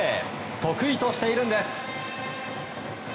得意としているんです。